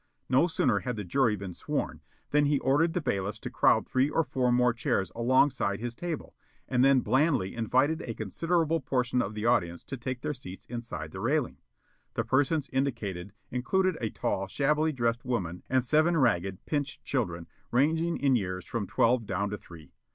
No sooner had the jury been sworn than he ordered the bailiffs to crowd three or four more chairs alongside his table, and then blandly invited a considerable portion of the audience to take their seats inside the railing. The persons indicated included a tall, shabbily dressed woman and seven ragged, pinched children, ranging in years from twelve down to three.